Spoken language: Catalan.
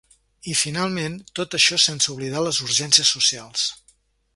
I, finalment, tot això sense oblidar les urgències socials.